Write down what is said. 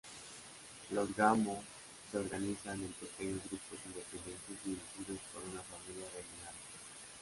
Los gamo se organizan en pequeños grupos independientes dirigidos por una familia dominante.